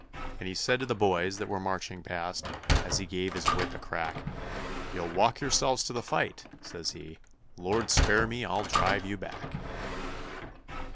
And he said to the boys that were marching past, as he gave his whip a crack, 'You'll walk yourselves to the fight,' says he 'Lord spare me, I'll drive you back.'